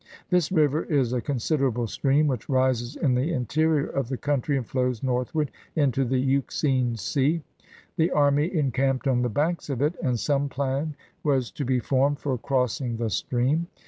This river is a considerable stream, which rises in the interior of the country, and flows northward into the Euxine Sea. The army encamped on the banks of it, and some plan was to be formed for crossing the stream.